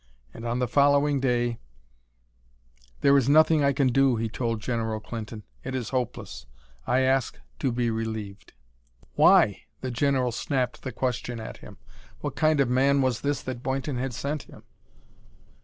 And on the following day "There is nothing I can do," he told General Clinton. "It is hopeless. I ask to be relieved." "Why?" The general snapped the question at him. What kind of man was this that Boynton had sent him?